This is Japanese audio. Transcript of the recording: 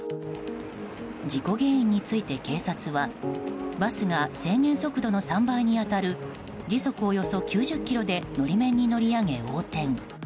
事故原因について警察はバスが制限速度の３倍に当たる時速およそ９０キロで法面に乗り上げ、横転。